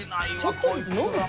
ちょっとずつ飲むって。